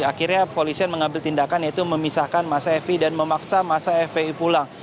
akhirnya polisi mengambil tindakan yaitu memisahkan masa fpi dan memaksa masa fpi pulang